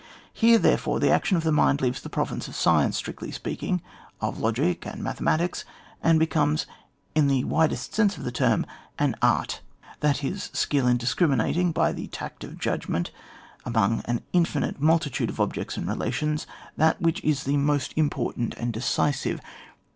Here, therefore, the action of the mind leaves the province of science, strictly speaking, of logic and mathematics, and becomes, in the widest sense of the term, an art^ tiiat is, skill in discriminating, by the tact of judgment among an infinite multitude of objects and relations, that which is the most important and decisive.